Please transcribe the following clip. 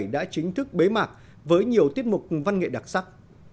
đã chính thức bế mạc với nhiều tiết mục văn nghệ đặc sắc